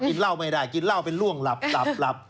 กินเหล้าไม่ได้กินเหล้าเป็นล่วงหลับหลับ